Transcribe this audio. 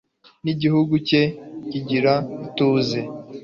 n'igihugu cye kigira ituze